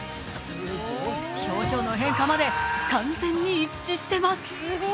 表情の変化まで、完全に一致しています。